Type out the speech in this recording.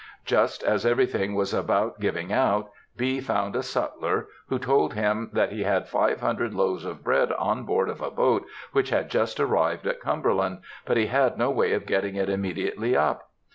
Just as everything was about giving out, B. found a sutler, who told him that he had five hundred loaves of bread on board of a boat which had just arrived at Cumberland, but he had no way of getting it immediately up.